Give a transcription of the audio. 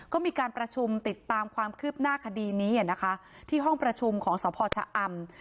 ก็มีการประชุมติดตามความคืบหน้าคดีนี้นะคะที่ห้องประชุมของสพชะอำ